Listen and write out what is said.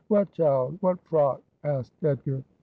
' What child ? what frock ?' asked Edgar.